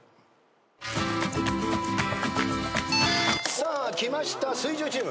さあきました水１０チーム。